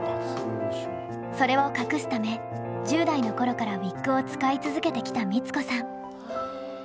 それを隠すため１０代の頃からウィッグを使い続けてきた光子さん。